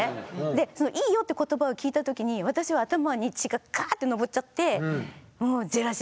でその「いいよ」って言葉を聞いた時に私は頭に血がカーッと上っちゃってもうジェラシーですよね。